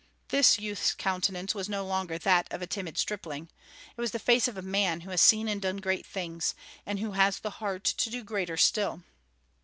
This youth's countenance was no longer that of a timid stripling; it was the face of a man who has seen and done great things, and who has the heart to do greater still.